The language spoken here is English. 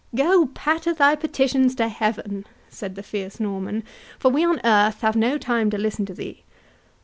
"Go patter thy petitions to heaven," said the fierce Norman, "for we on earth have no time to listen to them.